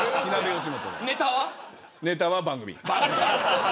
ネタは番組。